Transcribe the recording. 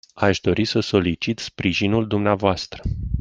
Aș dori să solicit sprijinul dumneavoastră.